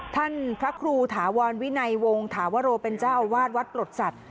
ท่านพระครูถาวรวินัยวงถาวโรเป็นเจ้าอาวาสวัดปรดสัตว